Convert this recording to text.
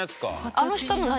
あの下の何？